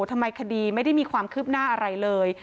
ทำไมคดีไม่ได้มีความคืบหน้าอะไรเลย